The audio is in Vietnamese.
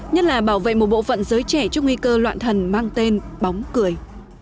nhất là bảo vệ một bộ phận giới trẻ trước nguy cơ loạn thần mang tên bóng cười